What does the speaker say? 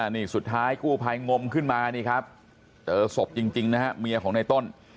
นี่สุดท้ายกู้ภัยงมขึ้นมานี่ครับเจอศพจริงนะฮะเมียของในต้น